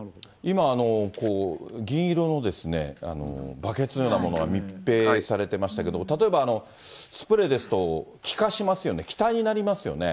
今、銀色のバケツのようなものが密閉されていましたけれども、例えば、スプレーですと、気化しますよね、気体になりますよね。